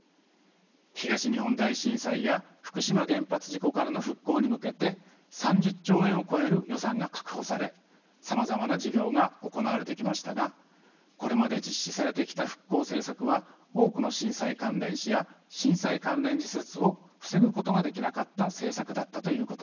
東日本大震災や福島原発事故からの復興に向けて３０兆円を超える予算が確保されさまざまな事業が行われてきましたがこれまで実施されてきた復興政策は多くの震災関連死や震災関連自殺を防ぐことができなかった政策だったということです。